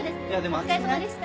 お疲れさまでした」